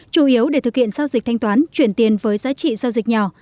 chủ yếu để thực hiện giao dịch thanh toán chuyển tiền với giá trị giao dịch nhỏ